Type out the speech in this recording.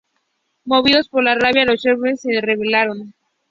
Movidos por la rabia, los "streltsí" se rebelaron.